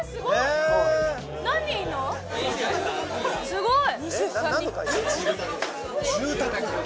すごい。